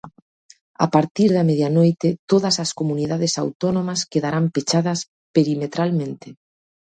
A partir da medianoite todas as comunidades autónomas quedarán pechadas perimetralmente.